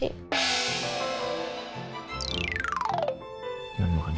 iya kan gak ada telepon tadi